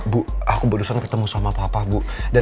bu aku barusan ketemu sama papa bu